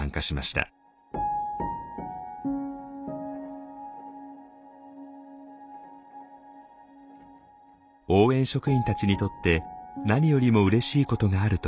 応援職員たちにとって何よりもうれしいことがあるといいます。